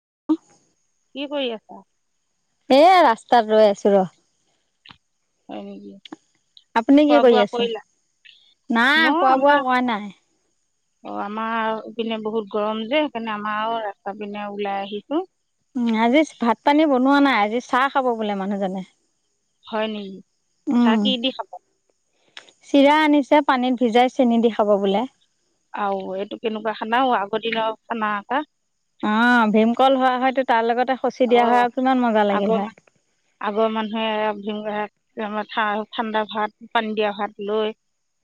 [inaudible] কি কৰি আছা এ ৰাস্তাত ৰৈ আছো ৰ হয় নেকি আপুনি খোৱা কি কৰি বোৱা আছে কৰিলা নাই খোৱা বোৱা কৰাৱা নাই অ আমাৰপিনে বহুত গৰম যে সেইকাৰণে আমাৰ ৰাস্তা পিনে ওলাই আহিছো উ আজি ভাত পানী বনোৱা নাই আজি চাহ খাব বোলে মানুহজনে হয় নেকি খা উম কি দি খাব চিৰা আনিছে পানীত ভিজাই চেনি দি খাব বোলে আহ এইটো কেনেকুৱা খানা আগৰ দিনৰ খানা একা অ ভীমকল হোৱা হয়তো তাৰ লগতে খচি অ দিয়া হয় আৰু কিমান মজা লাগিল আগৰ হয় মান আগৰ মানুহে ঠাণ্ডা ভাত পানী দিয়া ভাত লৈ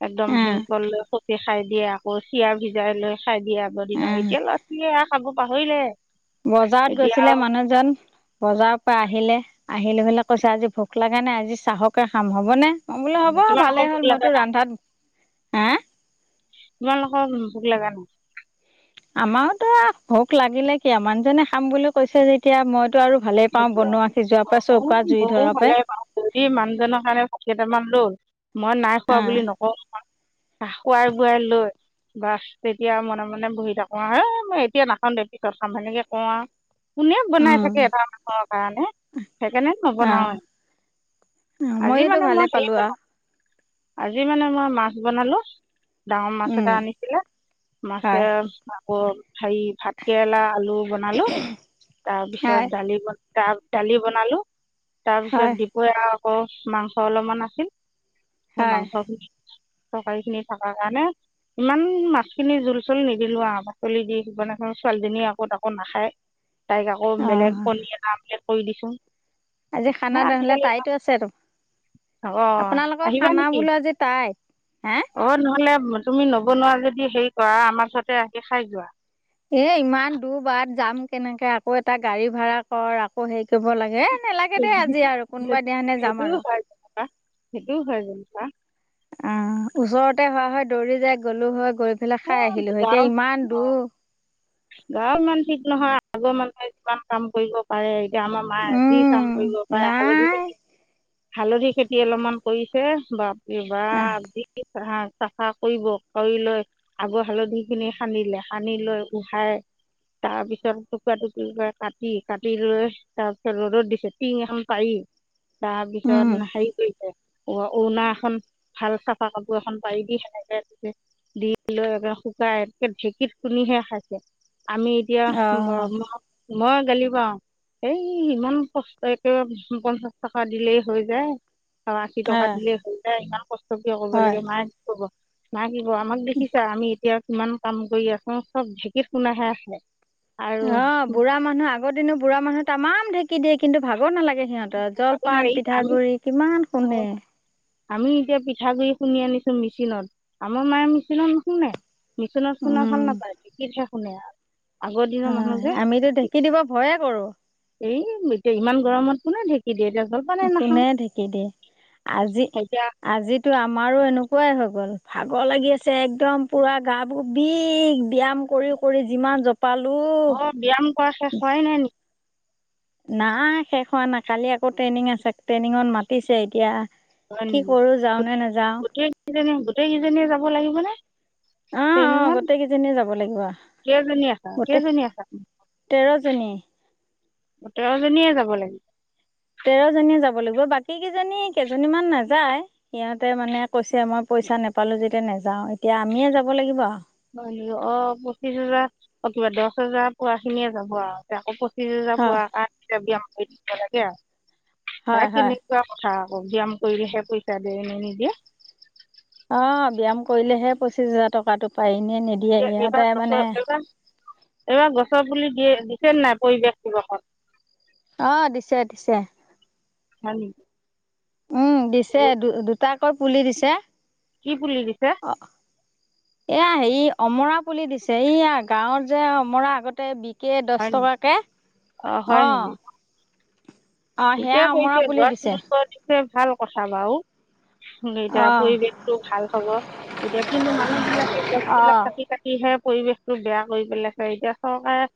একদম অ ভীমকল খাই দিয়ে আকৌ চিয়া ভিজাই লৈ চাই দিয়ে আগৰ অ দিনৰ এতিয়া ল'ৰা ছোৱালী আহ খাবো পাহৰিলে বজাৰত এতিয়া গৈছিলে মানুহ মানুহজন বজাৰৰ পৰা আহিলে আহিলে হলে কৈছ আজি ভোক লাগা নাই আজি চাহকে খাম হ'বনে অ বোলে হ'ব আৰু তোমালোকৰ ভালেই ভোক হ'ল লগা মইতো ৰন্ধাত হা ইমানোকৰ ভোক লগা নাই আমাৰতো ভোক লাগিলে কিয় মানুহজনে খাম বুলি কৈছে যেতিয়া মই স ব জুই ধৰা পৰাই হলে মানুহজনৰ কাৰণে কেইটামান ৰ [unintelligible] মই নাই অ খোৱা বুলি নকওঁ খুৱাই বোৱাই লৈ বাছ তেতিয়া মনে মনে বহি থাকো আৰু হ মই এতিয়া নাখাওঁ দে পিছত খাম সেনেকে কওঁ আৰু তু নেম বনাই উম শকে এটাম কাৰণে সেইকাৰণে অ নবনাৱে। আজি ময়োতো মানে ভালে মই পালো হে আৰু আজি মানে মই মাছ বনালো ডাঙৰ মাছ উম এটা আনিছিলে, মাছে হয় আকৌ হেৰি ভাতকেৰেলা, আলু আল বনালো। তাৰ পিছত হয় দালি তা দালি বনালো তাৰপিছত হয় দিপয়া অ মাংস অলপমান আছিল। হয় মাংস [unintelligible] তৰকাৰী খিনি থকাৰ কাৰণে, ইমান মাছখিনি জোল-চোল নিদিলো আৰু পাচলি দি ছোৱালীজনীয়ে আকৌ তাকো নাখায় তাইক আকৌ অ বেলেগ কনি কৰি দিছো আজি খানা নহলে তাইতো আছে তো, অঁ আপোনালোকৰ আহিবা খানা নেকি বোলো আজি তাইত। হা? অঁ নহ'লে তুমি নবনোৱা যদি হেৰি কৰা, আমাৰ তাতে আহি খাই যোৱা। এ ইমান দূৰ বাট যাম কেনেকে আকৌ এটা গাড়ী ভড়া কৰ, আকৌ হেৰি কৰিব লাগে নালাগে দেই আজি আৰু কোনোবা দিয়ানে যাম আৰু সেইটো হয় যেনিবা অ ওচৰতে হোৱা হয় দৌৰি যায় গ'লো হয় গৈ পেলাই খাই এই আহিলো হৈ, এতিয়া গাঁৱৰ ইমান অঁ দূৰ গাঁৱৰ ইমান ঠিক নহয় আগৰ মানুহে কিমান কাম কৰিব পাৰে এতিয়া আমাৰ মায়ে যি কাম উম কৰিব পাৰে, হালধি নাই খেতি হালধি খেতি অলপমান কৰিছে বা বাপ ৰে আহ বাপ যি চাফা কৰিব কৰি লৈ আগৰ হালধি খিনি সানিলে, সানি লৈ উহাই তাৰপিছত টুকুৰা টুকুৰ কৰি কাটি, কাটি লৈ তাৰপিছত ৰ'দত দিছে। টিং এখন পাৰি তাৰ উম পিছত হেৰি কৰিছে উৰ্ণা এখন ভাল চাফা কাপোৰ এখন পাৰি দি সেনেকে দি লৈ শুকাই একে ঢেঁকীত খন্দিহে খাইছে। আমি এতিয়া অ' মই গালি পৰো, এই ইমান কষ্ট একেবাৰে পঞ্চাচ টকা দিলেই হৈ যায় আশী টকা হয় দিলে হৈ যায় কষ্ট কিয় কৰিব হয় লাগে। মায়ে কব [unintelligible] আমাক দেখি আমি এতিয়া কিমান কাম কৰি আছো, চব ঢেঁকীত শুনাহে অ বুঢ়া মানুহ আগৰ দিনো বুঢ়া মানুহ তাম। ঢেকি দিয় কিন্তু ভাগ নালাগে। সিহঁতৰ জলপান আমি পিঠাগুৰি কিমান খুন্দে। আমি এতিয়া পিঠাগ গুড়ি খুন্দি আনিছো মেচিনত আমাৰ মায়ে মেচিনত নশুনে। নিছুনা শুনা উম ভাল নাপাই ধেকিতিহে। শুনে। হয় আমিতো ঢেঁকী দিব ভয়ে কৰো। এই এতিয়া ইমান গৰমত। কোনেঢেঁক দিয়ে। জলপানেই নাখাওঁ কোনে ঢিকি দিয়ে আজি এতিয়া আজিতো আমাৰো এনেকা। খোৱাই হৈ গ'ল ভাগৰ লাগি আছে একদম পুৰা গাবোৰ বিষ ব্যায়াম কৰি কৰি যিমান জপ। অ ব্যয়াম কৰা শেষ হয় নাই নেকি। নাই শেষ হোৱা নাই কালি আকৌ ট্ৰেইনিং আছে ট্ৰেইনিঙত মাতিছে এতিয়া। হয় কি নেকি কৰোঁ যাওঁ নে নাযাওঁ গোটেই কেইজনী গোটেই কেইজনীয়ে যাব লাগিব নে। অ অ গোটেই কেইজনী যাব লাগিব কেইজনী আছা গোটেই কেইজনী তেৰ জনী। গোটেই কেইজনীয়ে যাব লাগিব। তেৰ জনীয়ে যাব লাগিব বাকী কেইজনী কেইজনী মমান নাযায় সিহঁতে মানে কৈছে মই পইচা নেপালো যেতিয়া নাযাও এতিয়া আমিয়ে যাব লাগিব আও। অ পঁচিশ হোজাৰ অ কিবা দহ হেজাৰ পোৱা খিনিয়ে যাব আৰু আকৌ। ফ যাব হয় আৰু যাবি আও। সেই দিব লাগে আও। হয় হে হয় কেনেকুৱা কথা আও। ব্যায়াম কৰিলেহে পইচা দে এনে নিদিয়ে। অ ব্যায়াম কৰিলেহে পঁচিশ হাজাৰ টকাতটো। পাৰি ন নিদিয়ে এতিয়া এইবাৰ ইহঁতে গছৰ মানে। এইবাৰ এইবাৰ গছৰ পুলি দিয়ে দিছে ন নাই পৰিৱেশ দিৱসত। অ দিছে দিছে। হয়। উম দিছে দু দুটাক। আকৌ পুলি দিছে। কি পুলি দিছে। অ এয়া হে অমৰা পুলি দিছে এইয়া গাঁৱত যে অমৰা আগতে বিষ। কেই হয় দহ নি টকাকৈ অঁ হয় অঁহ। নেকি ঠিকে পছে গছ ন দিছে কৰিছে। ভাল কথা বাও। এতিয়া অ পৰিৱেশতটো ভাল হব এতিয়া কিন্তু মানুহ বিলাকে অ গছবিলাক কাটি কাটিহে। পৰিৱেশতটো বেয়া কৰি পেলাইছে এতিয়া চৰকাৰে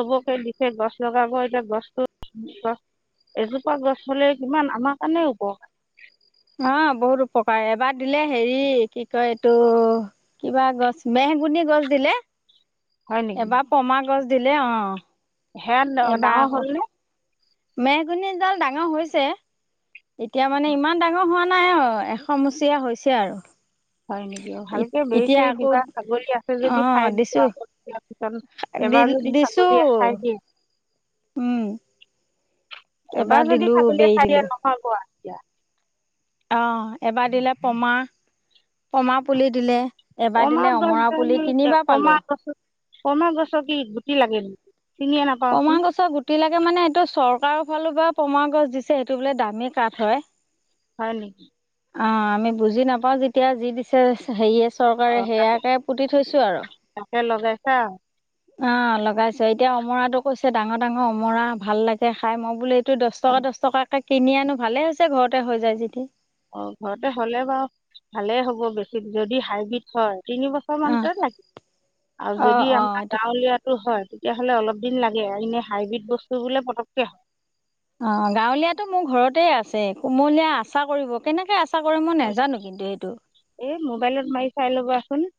চবকে দিছে গছ লগাব এতিয়া গছ, এজোপা গছ হলে কিমান আমাৰ কাৰণে উপকাৰ অ বহুত উপকাৰ এবাৰ দিলে হেৰি কি কয় এইটো কিবা গছ মেহগুন গছ দিলে। হয় এবাৰ পমা গছ, দিলে অ, হে ডাঙৰ হ'ল নে মেগুনীডাল ডাঙৰ হৈছে এতিয়া মানে ইমান ডাঙৰ হোৱা নাই অ এশ মচা হৈছে আৰু- হয় নেকি ভালকে বে এতিয়া চেৰি আকৌ দিবা ছাগলী আছে অ যদি খাই দিব দিছো আকৌৰ পিছত দি এবাৰ যদি দিছো ছাগলী খাই দিয়ে উম এবাৰ যদি দিলো ছাগলী বেৰি খাইয় দিলো দিয়ে নহয় কোৱা। এতিয়া অ এবাৰ দিলে পমা, পমাপুলি, দিলে। এবাৰ কমা দিলে অমৰা গছডাল পুলি তিনিবাৰ পালো কেকমা গছ কমা গছৰ কি গুটি লাগে নেকি? চিনিয়ে পমা নাপাওঁচোন গছৰ গুটি লাগে মানে এইটো চৰ- ককাৰৰ ফালৰ পৰা পমা গছ দিছে সেইটো বোলে দামী কাঠ হয়। হয় নেকি। অ আমি বুজি নাপাও যেতিয়া যি দিছে হেৰি আছে। চৰকাৰে সেয়াকে পুতি থৈছো আৰু সে লগাইছে আৰু অ লগাইছে এতিয়া অমৰাটো কৈছে ডাঙৰ ডাঙৰ অমৰা ভাল লাগে খাই মই বোলে ত দহ টকা দহ টকাকে কিনি আনো ভালে হৈছে ঘৰতে হৈ যায় যেদি। অ ঘৰতে হ'লে বাৰু ভালেই হ'ব বেছি যদি হাইব্ৰীড হয় তিনি বছৰ অ' মানতে লাগে আৰু অ' যদি অ' আমাৰ এইটো গাঁৱলীয়াটো হয়। তেতিয়াহ'লে অলপ দিন লাগে এনে হাইব্ৰীড বস্তু বোলে পটককে হ অ গাঁৱলীয়াাতটো মোৰ ঘৰতে আছে কুমলীয়া আচা কৰিব কেনেকে আছে। এ মোবাইলত মাৰি চাই ল'বাচোন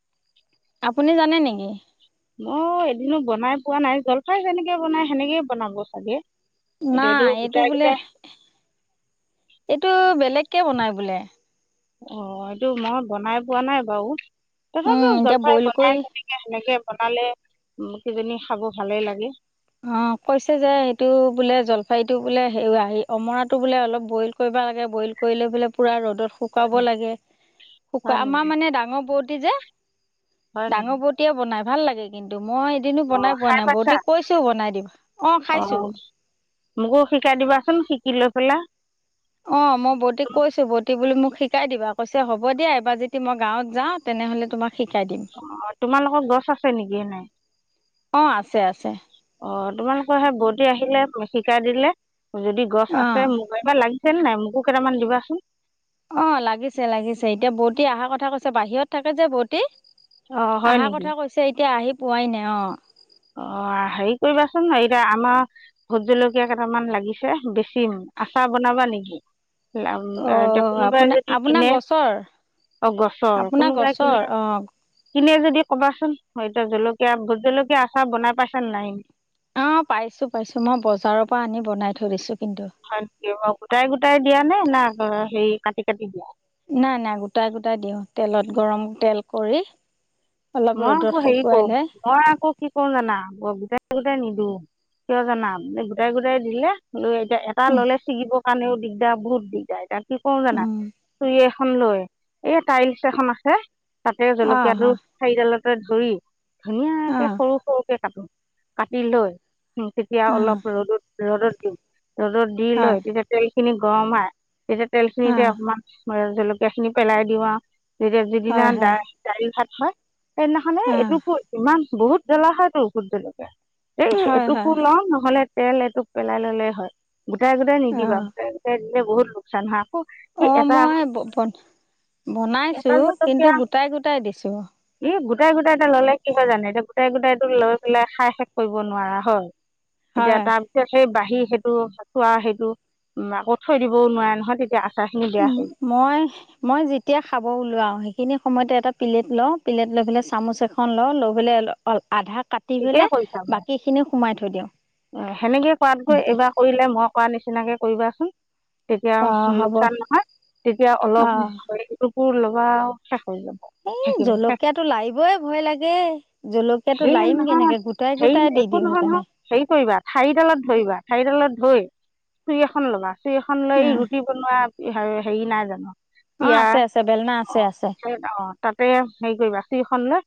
আপুনি জানে নেকি মই এদিনো বনাই পোৱা নাই জলফাই যেনেকে বনাই সেনেকেই বনাব চাগে। এতিয়া নাই এইটো গোটাই বোলে গোটাই এইটো বেলেগ কে বনাই বোলে অ এইটো মই বনাই পোৱা নাই বাৰু উম তথাপিও এতিয়া জলফাই বইল কৰি বনাই তেনেকে সেনেকে বনালে ওম কিইজনী খাব ভালেই লাগে। অ কৈছে যে সটো বোলে জলফাইটো বোলে সেই, অমৰাটো বোলে অলপ বইল কৰিব লাগে বইল কৰিলে বোলে পূৰা ৰ'দ ৰ'দত হয় শুকাব নেকি লাগে, হয় আমাৰ নেকি মানে ডাঙৰ বৌ দি যে হয় নেকি ডাঙৰ বৌটিয়ে বনাই ভাল লাগে কিন্তু মই এদিনো অঁ বনাই পোৱা খাই নাই পাইছা বৌতিক কৈ অঁ, মোকো শিকাই দিবাচোন শিকি লৈ [unintelligible] অঁ, মই বৌতিক কৈছো, বৌটি বুলে মোক শিকাই দিবা কৈছে হ'ব দিয়া, এবাৰ যদি মই গাঁৱত যাওঁ তেনেহ'লে তোমাক শিকাই দিম অঁ, তোমালোকৰ গছ আছে নেকি এনে। অঁ আছে আছে। অঁ তোমালোকৰ সেই বৌটি আহিলে শিকাই দিলে যদি গছ অ আছে মোক এবাৰ লাগ [unintelligible] নাই, মোকো কেইটামান দিবাচোন। অঁ, লাগিছে- লাগিছে এতিয়া বৌতি অহাৰ কথা কৈছে, বাহিৰত থাকে যে বৌতি। অঁ হয় অহা নেকি কথা কৈছে এতিয়া, আহি পোৱাই নাই অঁ। অঁ, হেৰি কৰিবাচোন, এতিয়া আমাৰ ভোট জলকীয়া কেইটামান লাগিছে বেছিম, আচাৰ বনাবা নেকি। অ এতিয়া কোনোবাই আপোনাৰ যদি আপোনাৰ কিনে, গছৰ অ', গছৰ, আপোনাৰ কোনোবাই কিনে গছৰ অ কিনে যদি কবাচোন, [unintelligible] জলকীয়া ভোট জলকীয়া আছে চাওঁ বনাই পাইছা নাই। অঁ পাইছো পাইছো, মই বজাৰৰ পৰা আনি বনাই থৈ দিছো। কিন্তু হয় নেকি অঁ, গোটাই গোটাই দিয়া নে না হেৰি কাটি- কাটি দিয়া। নাই- নাই গোটাই গোটাই দিওঁ, তেলত গৰম তেল কৰি। অলপ মই ৰ'দত আকৌ হেৰি শুকুৱাই কৰো, লৈ মই আকৌ কি কৰো জানা গোটেই গোটাই নিদু, কিয় জানা, গোটাই- গোটাই দিলে লৈ এটা ল'লে ছিগিব [unintelligible] দিগদাৰ, বহুত দিগদাৰ এতিয়া কি কৰোঁ জানা, খুৰীয়ে খন লৈ, এই টাইলছ এখন আছে তাতে অঁ হয় জলকীয়াটো [unintelligible] ধৰি ধুনীয়াকে অঁ সৰু- সৰুকে কাটো। কাটি লৈ। তেতিয়া অঁ অলপ ৰ'দত ৰ'দত। [unintelligible] ৰ'দত দি হয় লয় তেতিয়া তেল খিনি গৰম হয়। এতিয়া তেলখিনিতে অঁ অকমান [unintelligible] জলকীয়া খিনি পেলাই দিওঁ হয় যিদিনা হয় দালি দালি ভাত হ সেইদিনাখনে অঁ এইটোকো ইমান বহুত জ্বলা হয় টো ভূতজলকীয়া। এই হয় এইটোকো হয় লও নহ'লে তেল এটোক পেলাই ল'লেই হয়। গোটেই গোটাই নিদিবা গোটেই গোটাই দিলে বহুত লোকচান হা। অ মই বনাইছো একাল কিন্তু গোটাই গোটাই দিছো। এ গোটাই গোটাই এটা ল'লে কি হয় জানে এতিয়া গোটাই গোটাইটো লৈ পেলাই খাই শেষ কৰিব নোৱাৰা হয়। এতিয়া হয় তাৰপিছত সেই বাহ আহি সেইটো চোৱা সেইটো উম আকৌ থৈ দিবও নোৱাৰে নহয় তেতিয়া। আচাৰখিনি বেয়া হৈ মই মই যেতিয়া খাব ওলোৱাও সেইখিনি সময়তে এটা প্লেট লওঁ প্লেট লৈ পেলাই চামুচ এখন লওঁ লৈ পেলাই অ আধা কাটি ঠিকেই পেলে বাকী খিনি সোমাই থৈ দিওঁ। উ সেনেকে কৰাতকৈ এইবাৰ কৰিলে মই কৰা নিচিনাকে কৰি কৰিবাচোন। তেতিয়া অঁ হ'ব লোকচান নহয়। তেতিয়া অলপ অঁ ক লবা আও এই জলকীয়াটো লাৰিবই ভয় লাগে জলকীয়াটো হেৰি লাৰিম নহয় কেনেকে গোটাই গোটাই দি দিওঁ সেইকাৰণে। ৰিবা ঠাৰিডালত ধৰিবা ঠাৰিডালত ধই চুই এখন লবা। চুই এখন লৈ উম, ৰুটি বনোৱা হেৰি নাই জানো? অ পিয়া আছে আছে বেলনা আছে অঁ আছে। সেই অঁ তাতে হেৰি কৰিবা চুৰি খন লৈ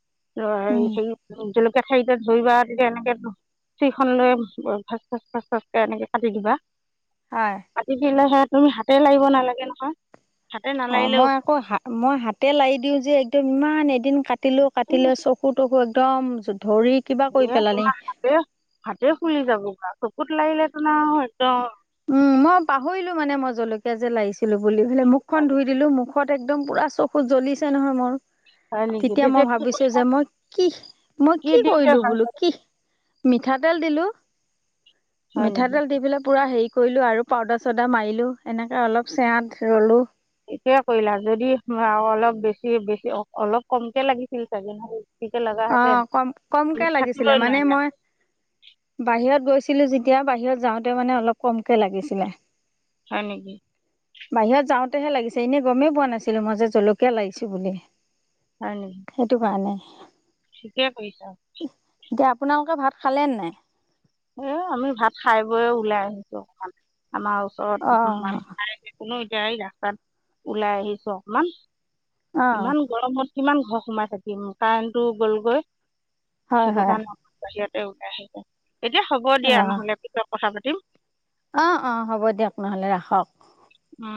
অ উম সেই জলকীয়া কেঠাই কেইটা ধুইবা তেয়া এনেকে ি খখন লৈ ভচ ফচ ভাচ ফাচকে এনেকে কাটি দিবা হয় আতিদিলে হে তুমি হাতে লাগিব নালাগে নহয় হাতে অ নালাৰিলেও মই আকৌ হা মই হাতে লাৰি দিওঁ যে একদম ইমান এদিন কাটি কাটিলো কাটিলে চকু তকু একদম ধৰি কিবা কৰি এ পেলালি তোমাৰ হাতে হাতে ফুলি যাবগ [unintelligible] চকুত লাগিল তোন আঅ একদম উম মই পাহৰিলো মানে মই জলকীয়া যে লাগিছিলো বুলি ফেলে মুখখন ধুই দিলো মুখত একদম পুৰা চকুত জ্বলিছে নহয় মোৰ হয় নেকি তেতিয়া মই কি ভাবিছো যে মই কি মই কি দিওঁতে কৰিলো ভাল বোলো কি মিঠাতেল দিলো হয় নেকি মিঠাটেল দি পেলায় পূৰা হে কৰিলোঁ আৰু পাউদাৰ চাউদাৰ মাৰিলোঁ এনেকৈ অলপ চেৰাত ৰলোঁ সটোয়ে কৰিলা যদি অলপ বেছি বেছি অলপ কমকে লাগিছিল চাগে বেছিকৈ লগা অ হেঁতেন কম কমকে আমি লাগিছিলে থাকিবই মানে নোৱাৰিলা মই বাহিৰত গৈছিলো ছিলো যেতিয়া বাহিৰত যাওঁতে মানে অলপ কমকে লাগিছিলে হয় নেকি ততেহে লাগিছে এনে গমেই পোৱা নাছিলো মই যে জলকীয়া লাগিছো বুলি [unintelligible] সেইটো কাৰণে [inaudible] িকে পইছা [unintelligible] এতিয়া আপোনালোকে ভাত খালেে নাই এ আমি ভাত খাই বৈয় ওলাই আহিছোে আমাৰ ওচৰত অঁ মানুহ কোনো এতিয়া এই ৰাস্তাত ওলাই আহিছো অকমান অঁ ইমান গৰমত কিমান ঘৰ সোমাই থাকিম কাৰেণটো গ'লগৈ হয় সেইটো হয় কাৰণে আ বাহিৰত এল আহ এতিয়া হ'ব দিয়া নহলে পিছ কথা পাতিম অ অ হ'ব দিয়ক নহলে ৰাখক অ